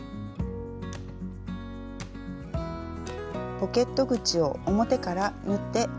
ポケット口を表から縫っておきます。